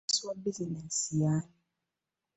Omutandisi wa bizinensi y'ani?